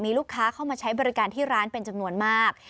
มีลูกค้าเข้ามาใช้บริการที่ร้านเป็นจำนวนมาก